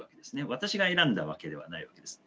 私が選んだわけではないわけです。